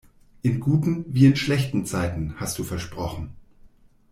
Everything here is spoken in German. In guten wie in schlechten Zeiten, hast du versprochen!